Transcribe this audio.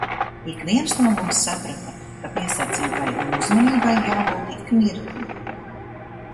Ikviens no mums saprata, ka piesardzībai un uzmanībai jābūt ik mirkli.